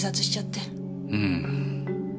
うん。